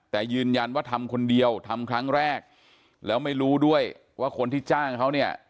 แต่ยืนยันว่าทำคนเดียวทำครั้งแรกแล้วไม่รู้ด้วยว่าคนที่จ้างเขาเนี่ย